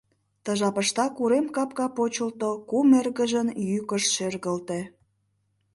Ты жапыштак урем капка почылто, кум эргыжын йӱкышт шергылте: